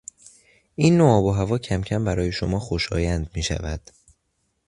این نوع آب و هوا کمکم برای شما خوشایند میشود.